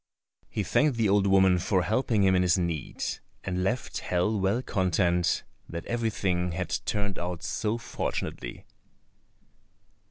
He thanked the old woman for helping him in his need, and left hell well content that everything had turned out so fortunately.